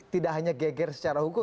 tidak hanya geger secara hukum